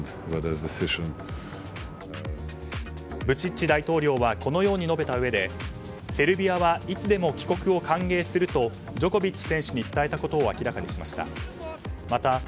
ブチッチ大統領はこのように述べたうえでセルビアはいつでも帰国を歓迎するとジョコビッチ選手に伝えたことを明らかにしました。